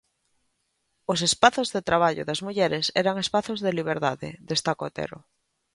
"Os espazos de traballo das mulleres eran espazos de liberdade", destaca Otero.